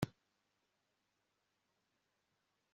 umuyobozi yicaye ku ntebe amaboko aziritse